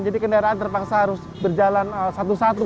jadi kendaraan terpaksa harus berjalan satu satu